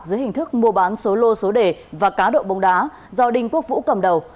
dưới hình thức mua bán số lô số đề và cá độ bóng đá do đinh quốc vũ cầm đầu